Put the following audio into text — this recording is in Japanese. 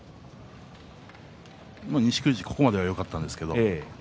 錦富士、ここまではよかったんですけど。